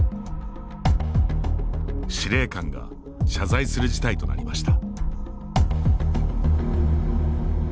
司令官が謝罪する事態となりました。